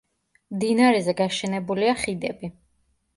მდინარეზე გაშენებულია ხიდები.